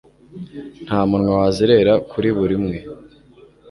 nta munwa wazerera kuri buri umwe